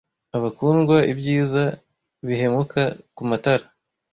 Abakundwa, ibyiza - bihumeka kumatara